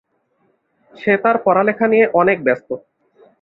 সে তার পড়ালেখা নিয়ে অনেক ব্যস্ত।